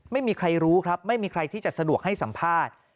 ไม่มีใครรู้ครับไม่มีใครที่จะสะดวกให้สัมภาษณ์